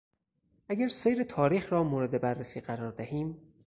اگر سیر تاریخ رامورد بررسی قرار دهیم...